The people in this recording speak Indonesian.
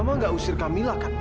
mama nggak usir kamila kan ma